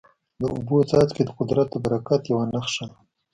د اوبو څاڅکي د قدرت د برکت یوه نښه ده.